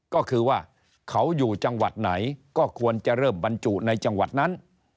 ก็คือว่าเขาอยู่จังหวัดไหนก็ควรจะเริ่มบรรจุในจังหวัดนั้น